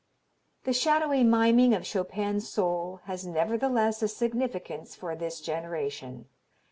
The shadowy miming of Chopin's soul has nevertheless a significance for this generation.